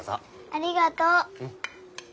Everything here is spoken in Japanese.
ありがとう。